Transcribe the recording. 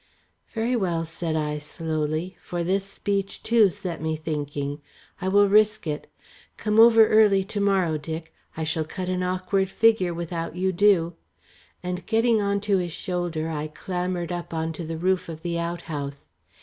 "Very well," said I slowly, for this speech too set me thinking. "I will risk it. Come over early to morrow, Dick. I shall cut an awkward figure without you do," and getting on to his shoulder, I clambered up on to the roof of the outhouse.